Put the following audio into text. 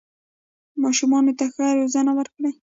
ماشومانو ته ښه روزنه ورکړئ